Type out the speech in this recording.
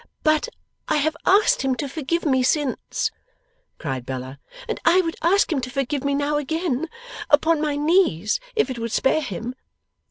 'But I have asked him to forgive me since,' cried Bella; 'and I would ask him to forgive me now again, upon my knees, if it would spare him!